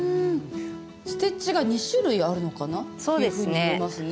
ステッチが２種類あるのかな？というふうに見えますね。